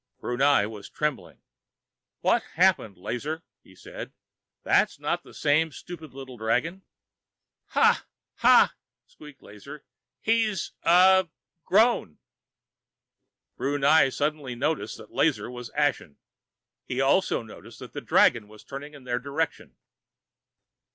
Brunei was trembling. "What happened, Lazar?" he said. "That's not the same stupid little dragon." "Hah ... hah...." squeaked Lazar. "He's ... uh ... grown...." Brunei suddenly noticed that Lazar was ashen. He also noticed that the dragon was turning in their direction.